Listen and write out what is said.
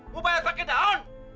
lo bayar pake daun